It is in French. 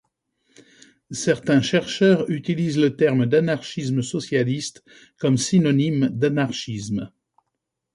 Certains chercheurs utilisent le terme d'anarchisme socialiste comme synonyme d'anarchisme.